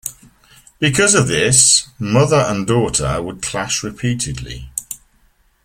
Because of this, Mother and Daughter would clash repeatedly.